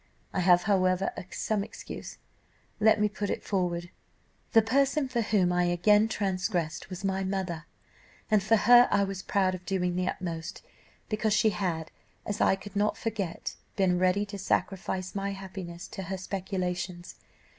I have, however, some excuse let me put it forward; the person for whom I again transgressed was my mother, and for her I was proud of doing the utmost, because she had, as I could not forget, been ready to sacrifice my happiness to her speculations.